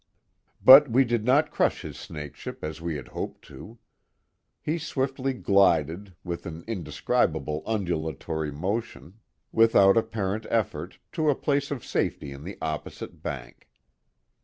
But we did not crush his snakeship, as we had hoped to; he swiftly glided, with an indescribable undulatory motion, without ap parent effort, to a place of safety in the opposite bank.